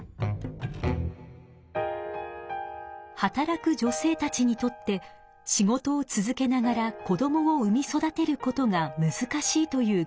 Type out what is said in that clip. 働く女性たちにとって仕事を続けながら子どもを産み育てることがむずかしいという現実があります。